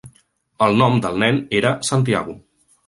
El nom del nen era Santiago.